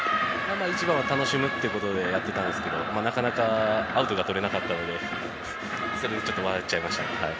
一番は楽しむということでやっていたんですがなかなかアウトがとれなかったのでそれで、ちょっと笑っちゃいましたね。